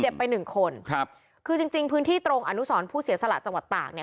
ไปหนึ่งคนครับคือจริงจริงพื้นที่ตรงอนุสรผู้เสียสละจังหวัดตากเนี่ย